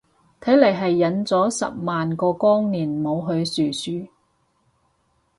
睇嚟係忍咗十萬個光年冇去殊殊